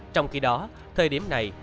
trong khi đó thời điểm này